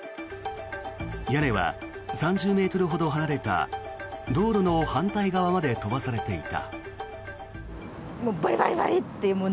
屋根は３０ｍほど離れた道路の反対側まで飛ばされていた。